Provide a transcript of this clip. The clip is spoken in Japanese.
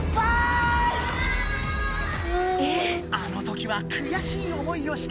あのときはくやしい思いをしたよね。